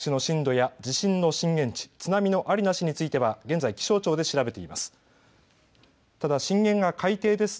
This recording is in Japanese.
各地の震度や地震の震源地津波のありなしについては現在、気象庁で調べています。